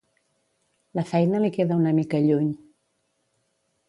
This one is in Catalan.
La feina li queda una mica lluny.